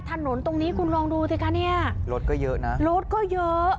ถนนตรงนี้คุณลองดูสิคะเนี่ยรถก็เยอะนะรถก็เยอะ